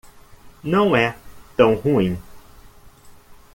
Não é tão ruim.